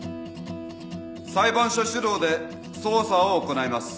裁判所主導で捜査を行います。